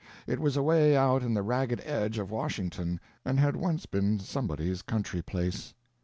It was away out in the ragged edge of Washington and had once been somebody's country place.